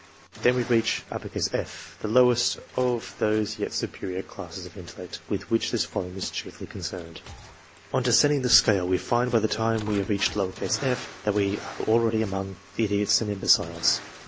Then we reach F, the lowest of those yet superior classes of intellect, with which this volume is chiefly concerned. On descending the scale, we find by the time we have reached f, that we are already among the idiots and im beciles.